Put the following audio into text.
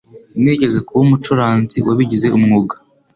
Nigeze kuba umucuranzi wabigize umwuga.